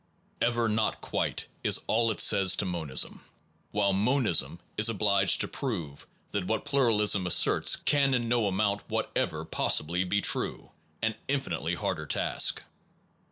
Ever not quite is all it says to monism; while mon ism is obliged to prove that what pluralism asserts can in no amount whatever possibly be true an infinitely harder task.